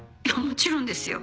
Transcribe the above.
もちろんですよ。